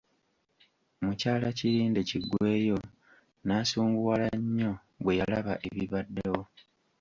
Mukyala Kirindekiggweeyo n'asunguwala nnyo bwe yalaba ebibaddewo.